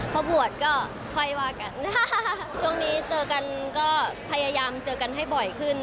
พอบวชก็ค่อยว่ากันช่วงนี้เจอกันก็พยายามเจอกันให้บ่อยขึ้น